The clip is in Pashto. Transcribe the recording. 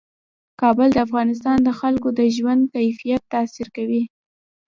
کابل د افغانستان د خلکو د ژوند کیفیت تاثیر کوي.